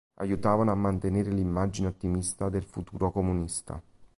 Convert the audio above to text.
Aiutavano a mantenere l'immagine ottimista del futuro comunista.